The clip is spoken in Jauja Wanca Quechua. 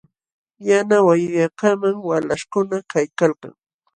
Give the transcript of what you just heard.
Yana wayayuqkamam walaśhkuna kaykalkan.